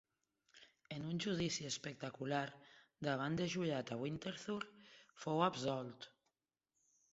En un judici espectacular davant de jurat a Winterthur fou absolt.